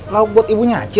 lauk buat ibunya aja